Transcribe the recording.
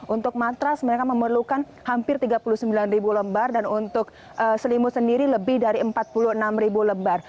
untuk matras mereka memerlukan hampir tiga puluh sembilan ribu lembar dan untuk selimut sendiri lebih dari empat puluh enam ribu lembar